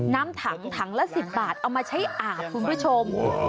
น้ำถังถังละ๑๐บาทเอามาใช้อาบคุณผู้ชม